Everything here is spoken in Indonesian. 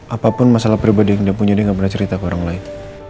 apapun masalah pribadi yang dia punya dia gak pernah cerita ke orang lain